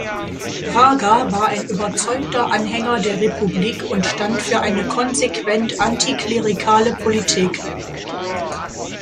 Braga war ein überzeugter Anhänger der Republik und stand für eine konsequent antiklerikale Politik.